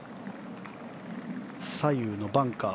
左右にバンカー。